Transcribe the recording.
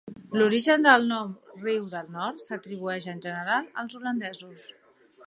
L'origen del nom "Riu del Nord" s'atribueix en general als holandesos.